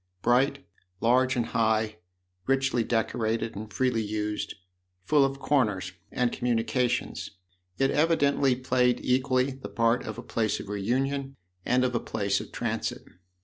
Bright, large and high, richly decorated and freely used, full of " corners " and communications, it evidently played equally the part of a place of reunion and of a place of transit.